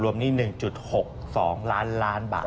รวมนี่๑๖ล้านบาท